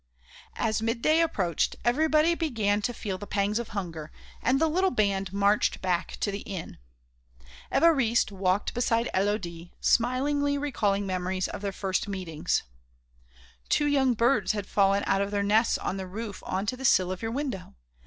As midday approached everybody began to feel pangs of hunger and the little band marched back to the inn. Évariste walked beside Élodie, smilingly recalling memories of their first meetings: "Two young birds had fallen out of their nests on the roof on to the sill of your window.